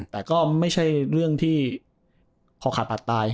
แต่ก็ไม่ใช่เรื่องที่พอขาดปัดตาย